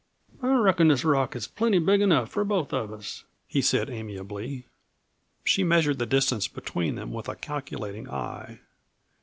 "I reckon this rock is plenty big enough for both of us," he said amiably. She measured the distance between them with a calculating eye.